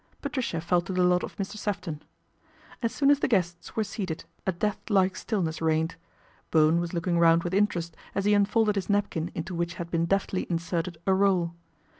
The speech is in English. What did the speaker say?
Patricia fell to the lot of Mr. Sefton. As soon as the guests were seated a death like stillness reigned. Bowen was looking round with interest as he unfolded his napkin into which had been deftly inserted a roll.